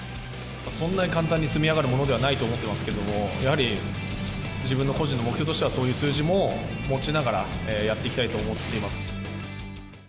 そんなに簡単に積み上がるものではないと思ってますけれども、やはり、自分の個人の目標としてはそういう数字も持ちながら、やっていきたいと思っています。